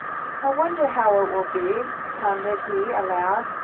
"I wonder how it will be?" pondered he, aloud.